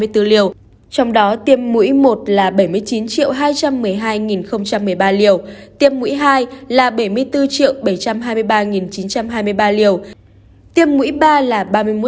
trong đó tiêm mũi một là bảy mươi chín triệu hai trăm một mươi hai một mươi ba liều tiêm mũi hai là bảy mươi bốn triệu bảy trăm hai mươi ba chín trăm hai mươi ba liều